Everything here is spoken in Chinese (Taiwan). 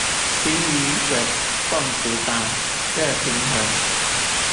冰及水共處達熱平衡